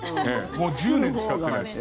もう１０年使ってないです。